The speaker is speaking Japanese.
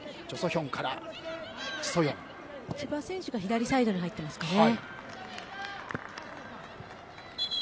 千葉選手が左サイドに入っていますね。